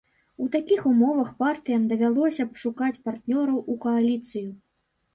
У такіх умовах партыям давялося б шукаць партнёраў у кааліцыю.